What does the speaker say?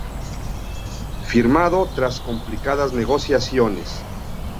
Firmado tras complicadas negociaciones.